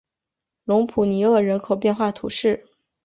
隆普尼厄人口变化图示